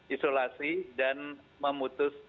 isolasi dan memutus